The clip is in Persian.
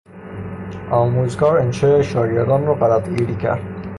آموزگار انشای شاگردان را غلطگیری کرد.